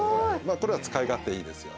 これは使い勝手いいですよね。